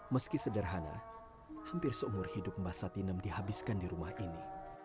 meski sederhana hampir seumur hidup mbah satinem dihabiskan di rumah ini